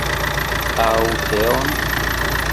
Aŭ teon?